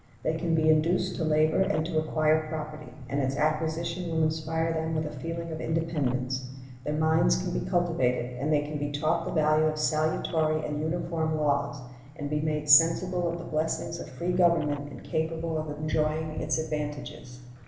They can be induced to labor and to acquire property, and its acquisition will inspire them with a feeling of independence. Their minds can be cultivated, and they can be taught the value of salutary and uniform laws and be made sensible of the blessings of free government and capable of enjoying its advantages.